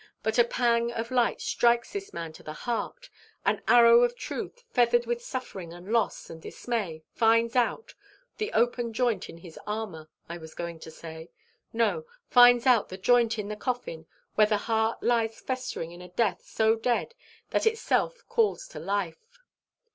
but a pang of light strikes this man to the heart; an arrow of truth, feathered with suffering and loss and dismay, finds out the open joint in his armour, I was going to say no, finds out the joint in the coffin where his heart lies festering in a death so dead that itself calls it life.